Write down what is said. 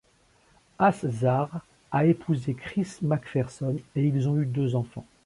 Haszard a épousé Kris MacPherson et ils ont deux enfants.